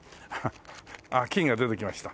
あっ金が出てきました。